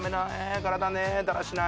体ねだらしない